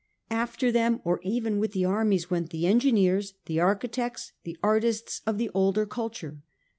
After them, 01 even with the armies, went the engineers, the architects, the artists of the older culture.